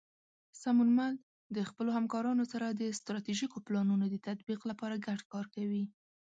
سمونمل د خپلو همکارانو سره د ستراتیژیکو پلانونو د تطبیق لپاره ګډ کار کوي.